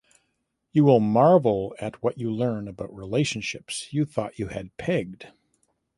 You will marvel at what you learn about relationships you thought you had pegged.